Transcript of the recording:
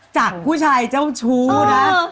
จากผู้ชายเจ้าชู้นะ